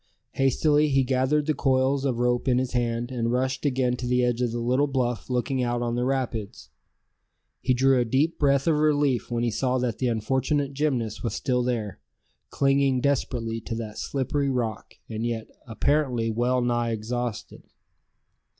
Hastily he gathered the coils of rope in his hand, and rushed again to the edge of the little bluff looking out on the rapids. He drew a breath of relief when he saw that the unfortunate gymnast was still there, clinging desperately to that slippery rock, and yet apparently well nigh exhausted.